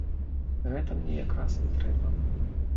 Гэта мне якраз і трэба.